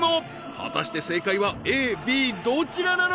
果たして正解はＡＢどちらなのか？